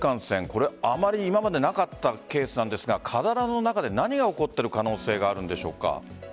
これ、あまり今までなかったケースなんですが体の中で何が起こっている可能性があるんでしょうか？